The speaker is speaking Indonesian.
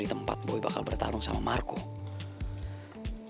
kenapa tolong gue canvas kita juga usar di kompo ini